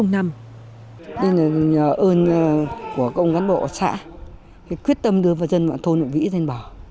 nên là nhờ ơn của công văn bộ xã quyết tâm đưa vào dân vạn thôn vạn vĩ lên bờ